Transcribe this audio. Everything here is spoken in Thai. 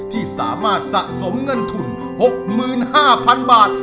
ที่สามารถสะสมเงินทุน๖๕๐๐๐บาท